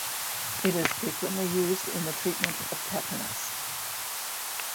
It is frequently used in the treatment of tetanus.